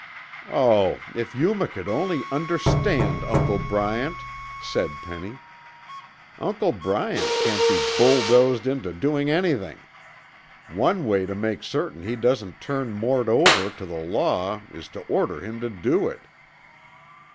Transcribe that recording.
"Oh, if Yuma could only understand Uncle Bryant!" said Penny. "Uncle Bryant can't be bulldozed into doing anything. One way to make certain he doesn't turn Mort over to the law is to order him to do it."